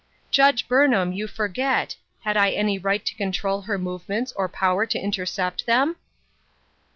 " Judge Burnham, you forget ; had I any right to control her movements, or power to intercept them